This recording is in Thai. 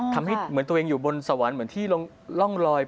ทำให้เหมือนตัวเองอยู่บนสวรรค์เหมือนที่ร่องลอย